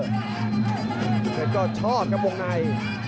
กิ๊กเฮ็ดก็ชอบครับวงใน